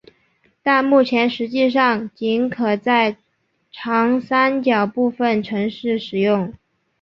但目前实际上仅可在长三角部分城市使用。